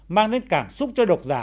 mang đến cảm xúc cho độc giả